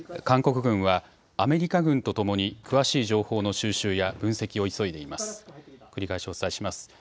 韓国軍はアメリカ軍とともに詳しい情報の収集や分析を急いでいます。